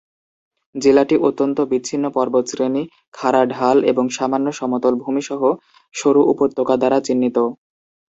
জেলাটি অত্যন্ত বিচ্ছিন্ন পর্বতশ্রেণী, খাড়া ঢাল এবং সামান্য সমতল ভূমি সহ সরু উপত্যকা দ্বারা চিহ্নিত।